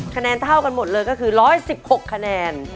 คะแนนเท่ากันหมดเลยก็คือ๑๑๖คะแนน